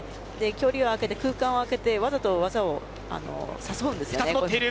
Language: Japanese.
距離を開けて空間を開けてわざと技を誘うんです。